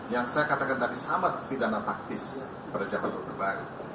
yang saya katakan tadi sama seperti dana taktis pada jabatan gubernur baru